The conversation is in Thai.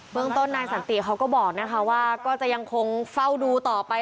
เมืองต้นนายสันติเขาก็บอกนะคะว่าก็จะยังคงเฝ้าดูต่อไป